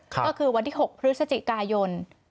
ก็คือวันที่๖พฤศจิกายน